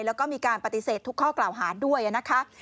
แล้วก็มีการปฏิเสธทุกข้อกล่าวหาด้วยนะคะ